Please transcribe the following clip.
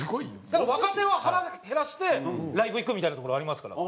だから若手は腹減らしてライブ行くみたいなところありますから。